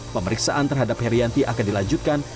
pemeriksaan terhadap herianti akan dilanjutkan